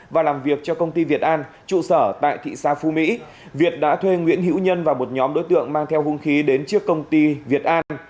và làm việc cho công ty việt an trụ sở tại thị xã phú mỹ việt đã thuê nguyễn hữu nhân và một nhóm đối tượng mang theo hung khí đến trước công ty việt an